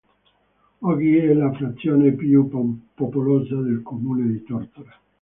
Oggi è la frazione più popolosa del comune di Tortora.